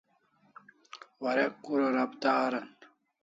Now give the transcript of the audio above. Warek kura rabita aran